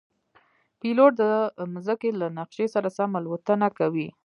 پیلوټ د مځکې له نقشې سره سم الوتنه کوي.